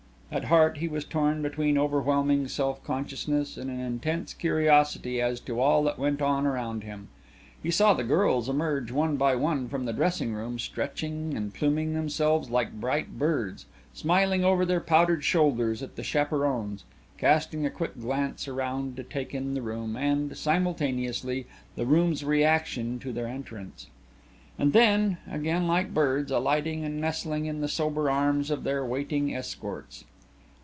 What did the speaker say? At heart he was torn between overwhelming self consciousness and an intense curiosity as to all that went on around him. He saw the girls emerge one by one from the dressing room, stretching and pluming themselves like bright birds, smiling over their powdered shoulders at the chaperones, casting a quick glance around to take in the room and, simultaneously, the room's reaction to their entrance and then, again like birds, alighting and nestling in the sober arms of their waiting escorts.